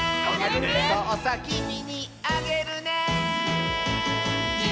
「そうさきみにあげるね」